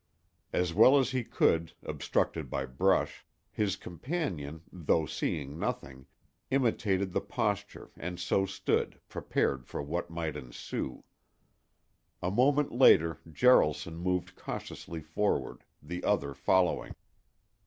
As well as he could, obstructed by brush, his companion, though seeing nothing, imitated the posture and so stood, prepared for what might ensue. A moment later Jaralson moved cautiously forward, the other following.